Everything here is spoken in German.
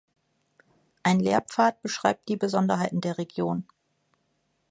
Ein Lehrpfad beschreibt die Besonderheiten der Region.